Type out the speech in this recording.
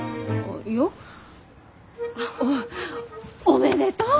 おめでとう！